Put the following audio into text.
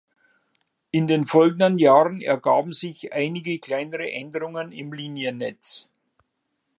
In den folgenden Jahren ergaben sich einige kleinere Änderungen im Liniennetz.